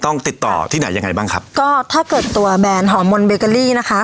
ต้องติดต่อที่ไหนยังไงบ้างครับก็ถ้าเกิดตัวแบรนด์หอมนเบเกอรี่นะคะ